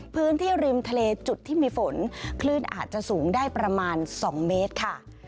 พื้นที่ริมทะเลจุดที่มีฝนคลื่นอาจจะสูงได้ประมาณ๒เมตรค่ะ